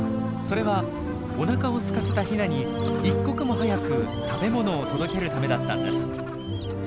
それはおなかをすかせたヒナに一刻も早く食べ物を届けるためだったんです。